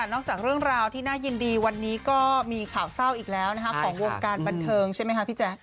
จากเรื่องราวที่น่ายินดีวันนี้ก็มีข่าวเศร้าอีกแล้วของวงการบันเทิงใช่ไหมคะพี่แจ๊ค